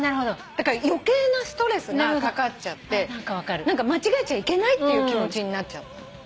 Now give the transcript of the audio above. だから余計なストレスがかかっちゃって何か間違えちゃいけないっていう気持ちになっちゃったの。